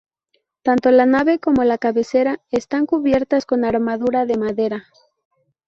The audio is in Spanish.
Tanto la nave como la cabecera están cubiertas con armadura de madera.